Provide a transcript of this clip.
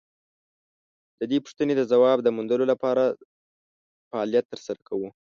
د دې پوښتنې د ځواب د موندلو لپاره فعالیت تر سره کوو.